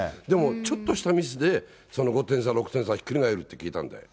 でも、ちょっとしたミスでその５点差、６点差ひっくり返るって聞いたんで。